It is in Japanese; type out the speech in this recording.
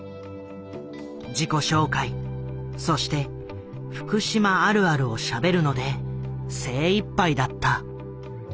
自己紹介そして「福島あるある」をしゃべるので精いっぱいだった。